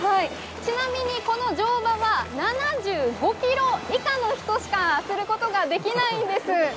ちなみにこの乗馬は７５ｋｇ以下の人しか遊ぶことができないんです。